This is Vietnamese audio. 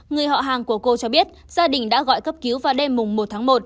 người họ hàng của cô cho biết gia đình đã gọi cấp cứu vào đêm một tháng một